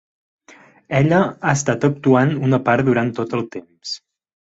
Ella ha estat actuant una part durant tot el temps.